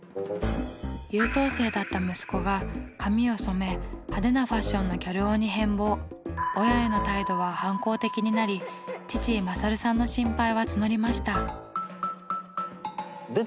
優等生だった息子が髪を染め派手なファッションの親への態度は反抗的になり父・勝さんの心配は募りました。